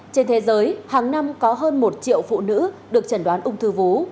trên thế giới hàng năm có hơn một triệu phụ nữ được chẩn đoán ung thư vú